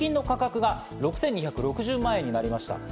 平均の価格が６２６０万円になりました。